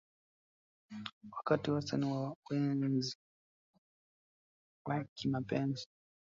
Wakati wastani wa wenzi wa kimapenzi